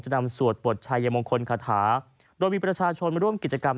นำสวดบทชายมงคลคาถาโดยมีประชาชนมาร่วมกิจกรรม